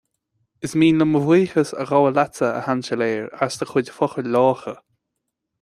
Is mian liom mo bhuíochas a ghabháil leatsa, a Seansailéir, as do chuid focail lácha